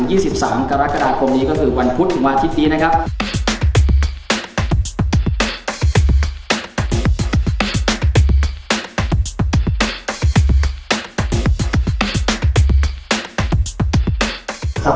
ก็คือวันพุธหรือวันอาทิตย์นะครับ